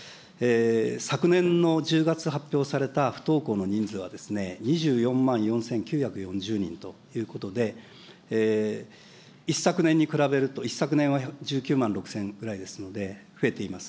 昨年の１０月発表された不登校の人数は２４万４９４０人ということで、一昨年に比べると、一昨年は１９万６０００くらいですので増えています。